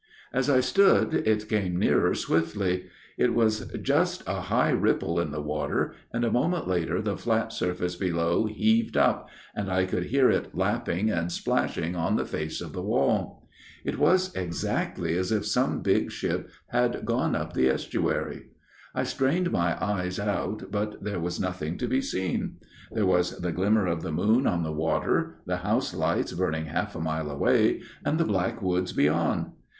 " As I stood, it came nearer swiftly ; it was just a high ripple in the water, and a moment later the flat surface below heaved up, and I could hear it lapping and splashing on the face of the wall. FATHER BRENT'S TALE 59 " It was exactly as if some big ship had gone up the estuary. I strained my eyes out, but there was nothing to be seen. There was the glimmer of the moon on the water, the house lights burning half a mile away, and the black woods beyond.